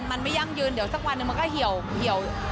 มันไม่ยั่งยืนเดี๋ยวสักวันหนึ่งมันก็เหี่ยว